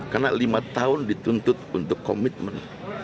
karena lima tahun dituntut untuk komitmen